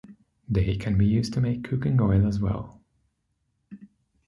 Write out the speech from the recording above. They can be used to make cooking oil as well.